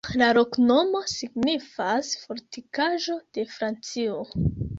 La loknomo signifas: Fortikaĵo de Francio.